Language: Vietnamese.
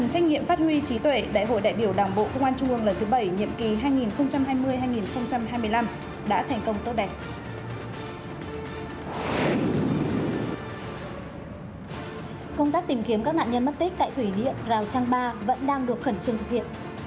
hãy đăng ký kênh để ủng hộ kênh của chúng mình nhé